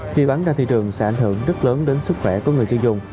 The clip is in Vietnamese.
khi bán ra thị trường sẽ ảnh hưởng rất lớn đến sức khỏe của người tiêu dùng